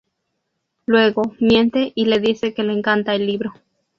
Luego, miente y le dice que le encanta el libro.